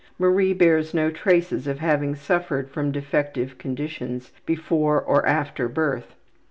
Marie bears no traces of having suffered from defective conditions before or after birth.